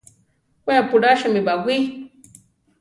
We apulásimi baʼwí.